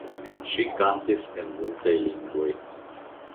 Ŝi kantis en multaj lingvoj.